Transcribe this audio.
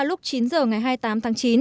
lúc chín h ngày hai mươi tám tháng chín